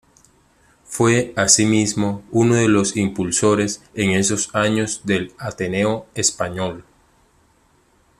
Fue, asimismo, uno de los impulsores, en esos años, del Ateneo Español.